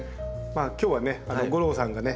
今日はね吾郎さんがね